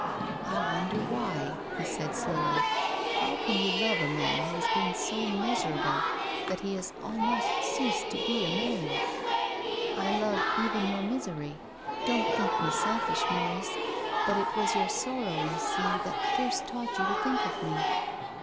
" I wonder why," he said, slowly. " How can you love a man vvho has been so miserable that he has almost ceased to be a man ?"" 1 love even your misery. Don't think me selfish, Maurice. I'ut it was your sorrow, you see, that first taught you to think of me." 228 TONGUES OF CONSCIENCE.